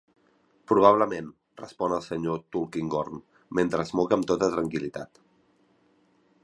"Probablement", respon el Sr. Tulkinghorn, mentre es moca amb tota tranquil·litat.